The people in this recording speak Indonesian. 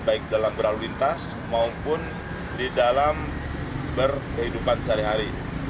baik dalam berlalu lintas maupun di dalam berkehidupan sehari hari